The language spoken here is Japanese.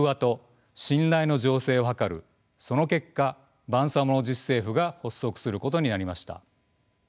その結果バンサモロ自治政府が発足することになりました。